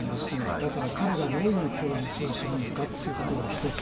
だから彼がどういう供述をするのかということが一つ。